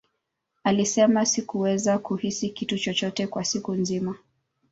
Alisema, Sikuweza kuhisi kitu chochote kwa siku nzima.